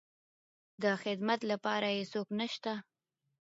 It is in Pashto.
د خدمت لپاره يې څوک نشته.